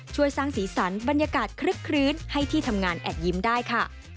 ช่วยสร้างสีสันบรรยากาศคลึกคลื้นให้ที่ทำงานแอบยิ้มได้ค่ะ